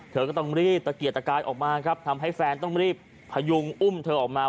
เธอก็ต้องรีบตะเกียดตะกายออกมาครับทำให้แฟนต้องรีบพยุงอุ้มเธอออกมา